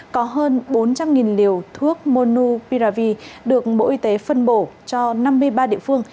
có hơn bốn trăm linh liều thuốc monu piravi được bộ y tế phân bổ cho năm mươi ba địa phương